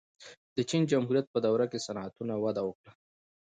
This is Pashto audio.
د چین جمهوریت په دوره کې صنعتونه وده وکړه.